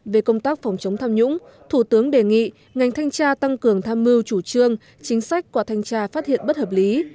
về công tác phòng chống tham nhũng thủ tướng đề nghị ngành thanh tra tăng cường tham mưu chủ trương chính sách qua thanh tra phát hiện bất hợp lý